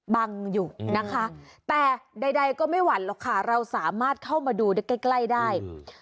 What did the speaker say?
บังอยู่นะคะแต่ใดก็ไม่หวั่นหรอกค่ะเราสามารถเข้ามาดูได้ใกล้ได้